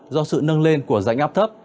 do sự nâng lên của dạng áp thấp